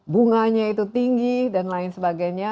bunganya itu tinggi dan lain sebagainya